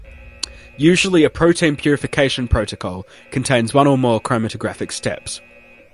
Usually a protein purification protocol contains one or more chromatographic steps.